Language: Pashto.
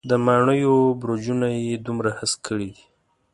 د ماڼېیو برجونه یې دومره هسک کړي دی.